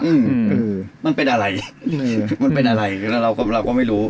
มันเป็นอะไรมันเป็นอะไรแล้วเราก็ไม่รู้